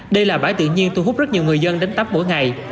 đây là bãi tự nhiên thu hút rất nhiều người dân đến tắp mỗi ngày